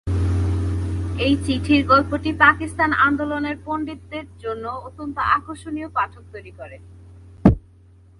এই চিঠির গল্পটি পাকিস্তান আন্দোলনের পণ্ডিতদের জন্য অত্যন্ত আকর্ষণীয় পাঠক তৈরি করে।